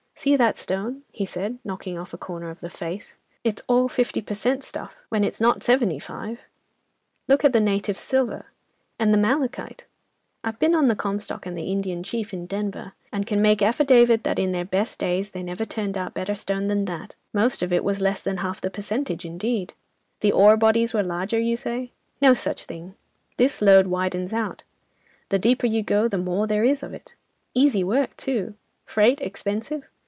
"See that stone," he said, knocking off a corner of the "face," "it's all fifty per cent. stuff—when it's not seventy five. Look at the native silver and the malachite! I've been on the 'Comstock,' and the 'Indian Chief' in Denver, and can make affidavit that in their best days they never turned out better stone than that—most of it was less than half the percentage, indeed. The ore bodies were larger, you say? No such thing. This lode widens out; the deeper you go, the more there is of it. Easy worked, too. Freight expensive?